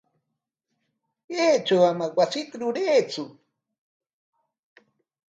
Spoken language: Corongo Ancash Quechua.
Kaytraw ama wasita ruraytsu.